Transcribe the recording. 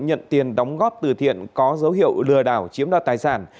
nhận tiền đóng góp từ thiện có dấu hiệu lừa đảo chiếm đoạt tài sản